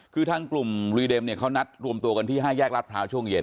คือทางกลุ่มรีเด็มเนี่ยเขานัดรวมตัวกันที่๕แยกรัฐพร้าวช่วงเย็น